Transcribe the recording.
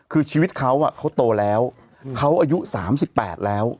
คือชีวิตเขาเขาโตแล้วเขาอายุ๓๘แล้ว